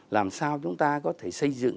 làm sao chúng ta có thể xây dựng